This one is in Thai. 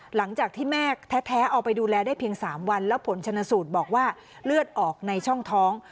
หลังจากที่แม่แท้เอาไปดูแลได้เพียง๓วันแล้วผลชนสูตรบอกว่าเลือดออกในช่องท้อง